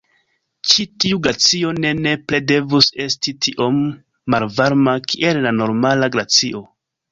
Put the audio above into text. Ĉi tiu glacio ne nepre devus esti tiom malvarma kiel la normala glacio.